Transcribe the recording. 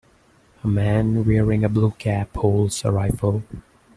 A man wearing a blue cap holds a rifle.